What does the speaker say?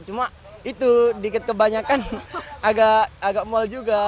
cuma itu dikit kebanyakan agak mal juga